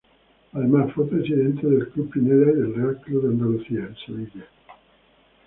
Además, fue presidente del Club Pineda y del Real Club de Andalucía en Sevilla.